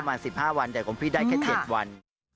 ประมาณสิบห้าวันแต่คัมพีชได้แค่เจ็ดวัน